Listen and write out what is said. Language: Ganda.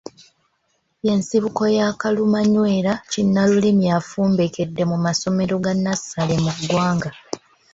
Y’ensibuko ya kalumanywera kinnalulimi afumbekedde mu masomero ga nnassale mu ggwanga.